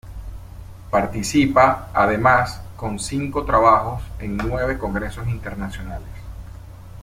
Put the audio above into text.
Participa además con cinco trabajos en nueve Congresos Internacionales.